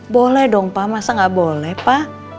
boleh dong pa masa gak boleh pa